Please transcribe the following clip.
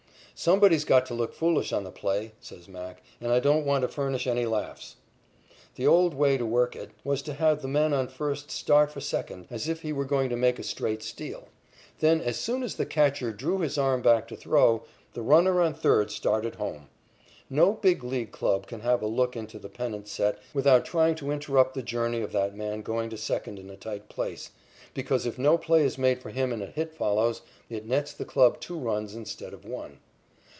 "Somebody's got to look foolish on the play," says "Mac," "and I don't want to furnish any laughs." The old way to work it was to have the man on first start for second, as if he were going to make a straight steal. Then as soon as the catcher drew his arm back to throw, the runner on third started home. No Big League club can have a look into the pennant set without trying to interrupt the journey of that man going to second in a tight place, because if no play is made for him and a hit follows, it nets the club two runs instead of one.